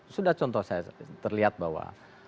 sudah contoh saya terlihat bahwa